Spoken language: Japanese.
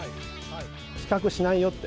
比較しないよって。